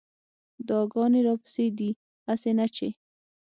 دعاګانې راپسې دي هسې نه چې